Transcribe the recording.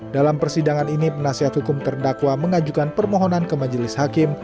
dalam persidangan ini penasihat hukum terdakwa mengajukan permohonan ke majelis hakim